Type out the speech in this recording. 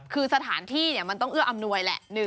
คือสถานที่มันต้องเอื้ออำนวยแหละ